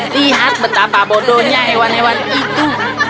lihat betapa bodohnya hewan hewan itu